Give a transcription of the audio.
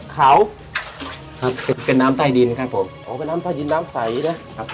เขาครับเป็นเป็นน้ำใต้ดินครับผมอ๋อเป็นน้ำใต้ดินน้ำใสนะครับ